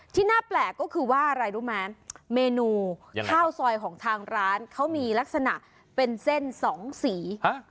ที่น่าแปลกก็คือว่าอะไรรู้ไหมเมนูข้าวซอยของทางร้านเขามีลักษณะเป็นเส้นสองสี